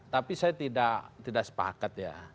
tapi saya tidak sepakat ya